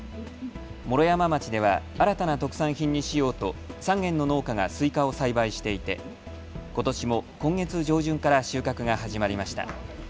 毛呂山町では新たな特産品にしようと３軒の農家がスイカを栽培していてことしも今月上旬から収穫が始まりました。